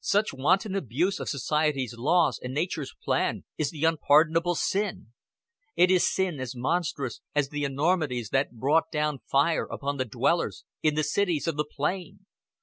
Such wanton abuse of society's law and nature's plan is the unpardonable sin; it is sin as monstrous as the enormities that brought down fire upon the dwellers in the cities of the plain.